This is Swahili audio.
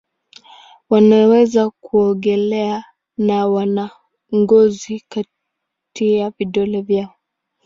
Wanaweza kuogelea na wana ngozi kati ya vidole vyao.